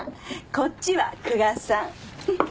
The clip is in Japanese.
こっちは久我さん。